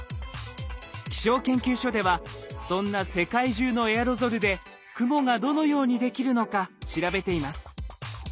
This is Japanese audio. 気象研究所ではそんな世界中のエアロゾルで雲がどのようにできるのか調べています。